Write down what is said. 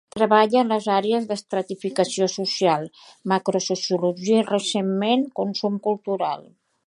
Treballa en les àrees d'estratificació social, macrosociologia i, recentment, consum cultural.